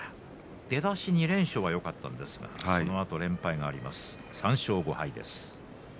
出だし２連勝だったんですがそのあと連敗になりまして３勝５敗。